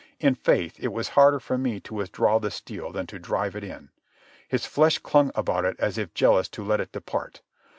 In faith, it was harder for me to withdraw the steel than to drive it in. His flesh clung about it as if jealous to let it depart.